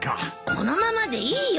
このままでいいよ